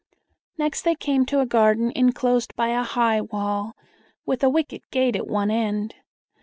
Next they came to a garden inclosed by a high wall, with a wicket gate at one end.